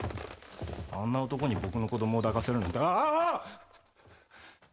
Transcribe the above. あんな男に僕の子どもを抱かせるなんてあああっ！